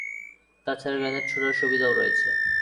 তাছাড়া গ্রেনেড ছোড়ার সুবিধাও রয়েছে।